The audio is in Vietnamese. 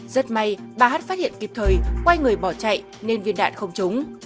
rất may bà hát phát hiện kịp thời quay người bỏ chạy nên viên đạn không trúng